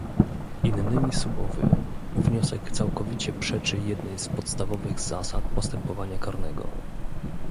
Innymi słowy, wniosek całkowicie przeczy jednej z podstawowych zasad postępowania karnego